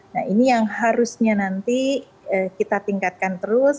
nah ini yang harusnya nanti kita tingkatkan terus